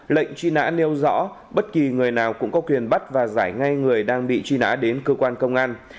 lệnh truy nã nêu rõ bất kỳ người nào cũng có quyền bắt và giải ngay người đang bị truy nã đến cơ quan công an